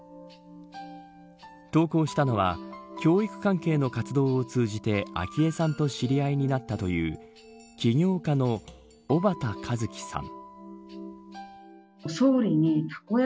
投稿したのは教育関係の活動を通じて昭恵さんと知り合いになったという起業家の小幡和輝さん。